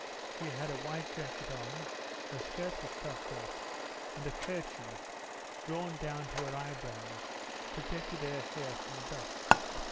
She had a white jacket on, her skirt was tucked up, and a kerchief, drawn down to her eyebrows, protected her hair from the dust.